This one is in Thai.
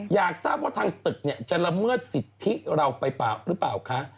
อยากทราบว่าทางตึกเนี่ยจะละเมิดสิทธิเราไปหรือเปล่าคะ